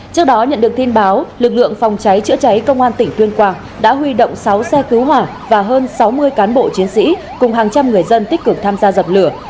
trước đó nhận được tin báo lực lượng phòng cháy chữa cháy công an tỉnh tuyên quang đã huy động sáu xe cứu hỏa và hơn sáu mươi cán bộ chiến sĩ cùng hàng trăm người dân tích cực tham gia dập lửa